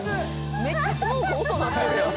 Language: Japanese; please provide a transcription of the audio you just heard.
めっちゃスモーク音鳴ってるやん。